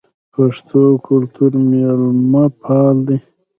پښتو کلتور میلمه پال دی